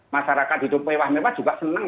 masyarakat hidup mewah mewah juga senang